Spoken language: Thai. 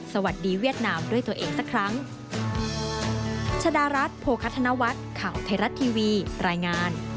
เวียดนามด้วยตัวเองสักครั้ง